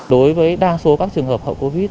đối với đa số các trường hợp hậu covid